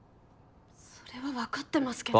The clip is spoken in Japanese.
それはわかってますけど。